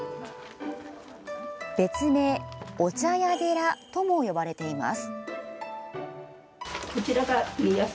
別名、お茶屋寺とも呼ばれています。